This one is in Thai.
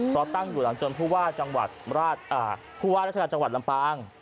เพราะตั้งอยู่หลังจนผู้ว่าราชกรรมจังหวัดลำปาง